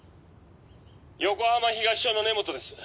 「横浜東署の根本です」